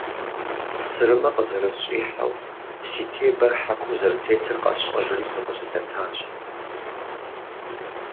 Сырымэ къызэрысщӏихьэу, си тебэр хьэкум зэрытетыр къэсщӏэжри, сыкъыщылъэтащ.